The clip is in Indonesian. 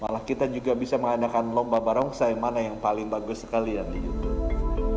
malah kita juga bisa mengadakan lomba barongsai mana yang paling bagus sekali ya di youtube